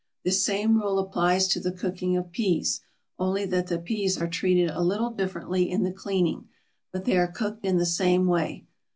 This same rule applies to the cooking of peas, only that the peas are treated a little differently in the cleaning, but they are cooked in the same way.